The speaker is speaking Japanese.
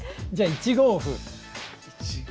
１五歩。